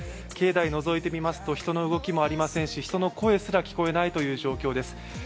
境内をのぞいてみますと人の動きもありませんし人の声すら聞こえないという状況です。